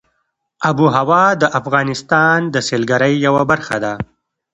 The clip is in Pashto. آب وهوا د افغانستان د سیلګرۍ یوه برخه ده.